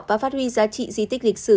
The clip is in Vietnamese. và phát huy giá trị di tích lịch sử